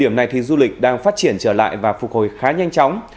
điểm này thì du lịch đang phát triển trở lại và phục hồi khá nhanh chóng